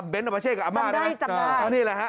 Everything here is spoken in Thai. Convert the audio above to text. เบ้นอาปาเช่กับอาม่าจำได้จำได้